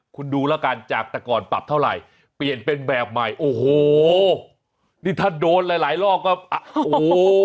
คุณดูแล้วกันจากแต่ก่อนปรับเท่าไหร่เปลี่ยนเป็นแบบใหม่โอ้โหนี่ถ้าโดนหลายหลายรอบก็โอ้โห